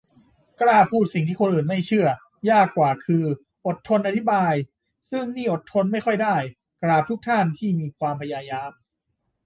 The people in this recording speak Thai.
กล้าพูดสิ่งที่คนอื่นไม่เชื่อ ยากกว่าคืออดทนอธิบาย ซึ่งนี่อดทนไม่ค่อยได้ กราบทุกท่านที่มีความพยายาม